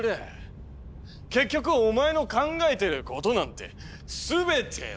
結局お前の考えてることなんてすべてお見通し。